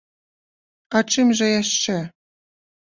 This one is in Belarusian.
А чым жа яшчэ?